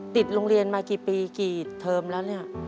ติดโรงเรียนมากี่ปีกี่เทอมแล้วเนี่ย